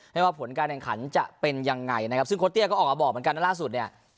ว่าผลการแข่งขันจะเป็นยังไงนะครับซึ่งโค้เตี้ยก็ออกมาบอกเหมือนกันนะล่าสุดเนี่ย